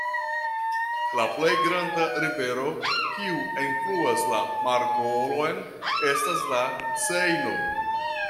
La plej granda rivero kiu enfluas la markolon estas la Sejno.